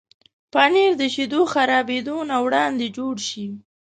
پنېر د شیدو خرابېدو نه وړاندې جوړ شي.